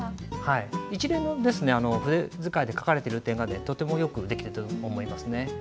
一連の筆使いで書かれている点がとてもよくできていると思いますね。